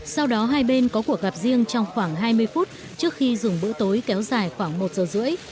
sau đó hai bên có cuộc gặp riêng trong khoảng hai mươi phút trước khi dùng bữa tối kéo dài khoảng một giờ rưỡi